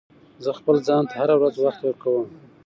زه خپل ځان ته هره ورځ وخت ورکوم.